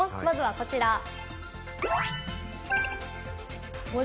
まずはこちら。